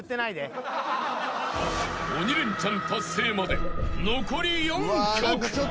［鬼レンチャン達成まで残り４曲］